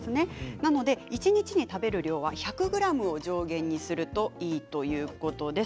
なので一日に食べる量は１００ｇを上限にするといいということです。